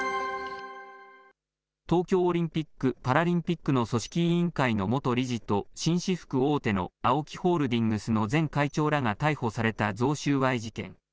東京オリンピック・パラリンピックの組織委員会の元理事と、紳士服大手のＡＯＫＩホールディングスの前会長らが逮捕された贈収賄事件。